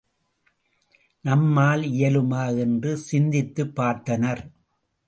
நம்மால் இயலுமா என்று சிந்தித்துப் பார்த்தனர்.